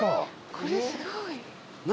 これすごい。何？